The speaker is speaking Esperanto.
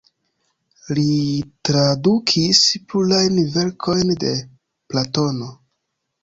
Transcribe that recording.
Li tradukis plurajn verkojn de Platono.